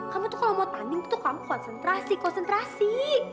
kamu tuh kalau mau tanding tuh kamu konsentrasi konsentrasi